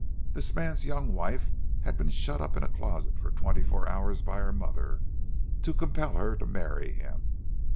This man's young wife had been shut up in a closet for twenty four hours by her mother to compel her to marry him.